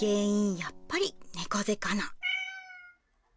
やっぱり猫背かな。